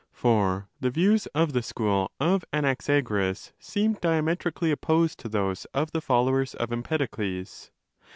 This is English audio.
28 For the views of the school of Anaxagoras seem diamet rically opposed to those of the followers of Empedokles.